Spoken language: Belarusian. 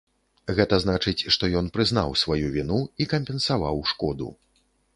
Гэта значыць, што ён прызнаў сваю віну і кампенсаваў шкоду.